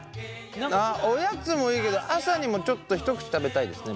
おやつもいいけど朝にもちょっと一口食べたいですね